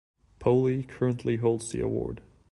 Poly currently holds the award.